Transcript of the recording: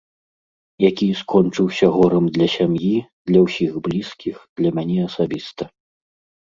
Які скончыўся горам для сям'і, для ўсіх блізкіх, для мяне асабіста.